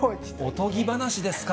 おとぎ話ですか？